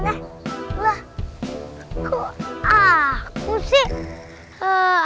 lah kok aku sih